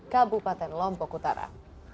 kabupaten lombok utara